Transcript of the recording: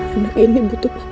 anak ini butuh papanya